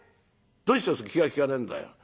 どうしてそう気が利かねえんだよ。